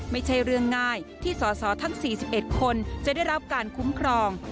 ไม่ใช่เรื่องง่ายที่สอสอทั้ง๔๑คนจะได้รับการคุ้มครอง